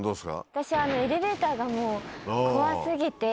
私エレベーターがもう怖過ぎて。